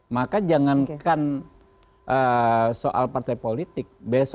maka jangankan soal partai politik